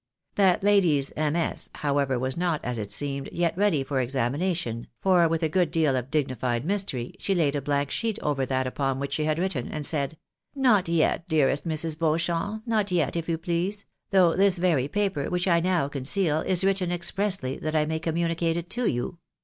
That lady's MS. however was not, as it seemed, yet ready for examination, for, with a good deal of dignified mystery, she laid a blank sheet over that upon which she had written, and said, " Not yet, dearest Mrs. Beauchamp, not yet, if you please , though this very paper, which I now conceal, is written expressly that I may communicate it to you.